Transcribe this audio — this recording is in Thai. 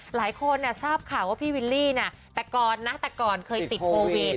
หลายคนทราบข่าวว่าพี่วิลลี่แต่ก่อนนะแต่ก่อนเคยติดโควิด